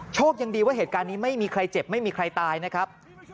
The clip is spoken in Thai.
โชคดีว่าเหตุการณ์นี้ไม่มีใครเจ็บไม่มีใครตายนะครับ